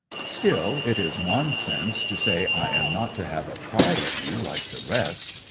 'Still, it is nonsense to say I am not to have a try at you like the rest.